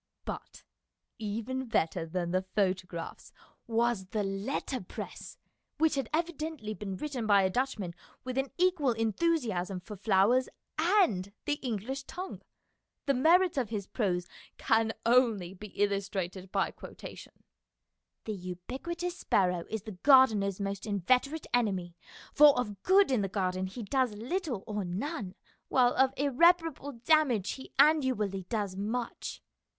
But even better than the photographs was the letterpress, which had evidently been written by a Dutchman with an equal enthusiasm for flowers and the English tongue. The merits of his prose can only be illustrated by quotation :" The ubiquitous sparrow is the gardener's most inveterate COMMERCIAL LITERATURE 263 enemy, for of good in the garden he does little or none, while of irreparable damage he annually does much.